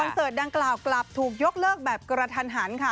เสิร์ตดังกล่าวกลับถูกยกเลิกแบบกระทันหันค่ะ